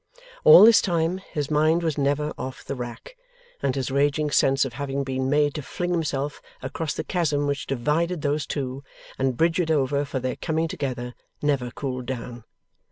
All this time, his mind was never off the rack, and his raging sense of having been made to fling himself across the chasm which divided those two, and bridge it over for their coming together, never cooled down.